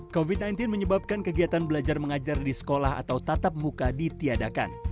covid sembilan belas menyebabkan kegiatan belajar mengajar di sekolah atau tatap muka ditiadakan